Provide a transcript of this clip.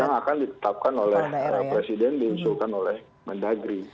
yang akan ditetapkan oleh presiden diusulkan oleh mendagri